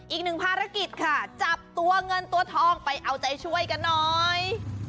อีกหนึ่งภารกิจค่ะจับตัวเงินตัวทองไปเอาใจช่วยกันหน่อย